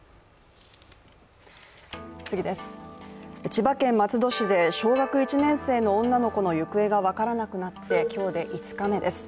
千葉県松戸市で小学１年生の女の子の行方が分からなくなって今日で５日目です。